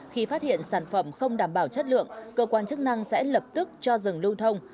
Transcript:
khi phát hiện sản phẩm không đảm bảo chất lượng cơ quan chức năng sẽ lập tức cho dừng lưu thông